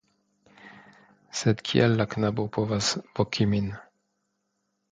Sed kiel la knabo povas voki min?